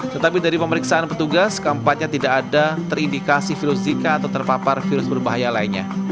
tetapi dari pemeriksaan petugas keempatnya tidak ada terindikasi virus zika atau terpapar virus berbahaya lainnya